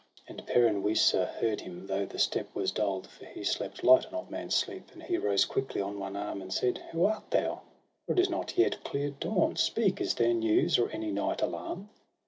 And Peran Wisa heard him, though the step Was dull'd; for he slept light, an old man's sleep; And he rose quickly on one arm, and said: —* Who art thou ? for it is not yet clear dawn. Speak! is there news, or any night alarm.?'